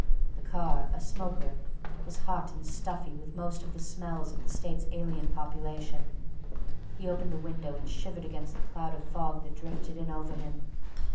The car, a smoker, was hot and stuffy with most of the smells of the state's alien population; he opened a window and shivered against the cloud of fog that drifted in over him.